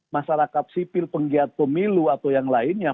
masyarakat sipil penggiat pemilu atau yang lainnya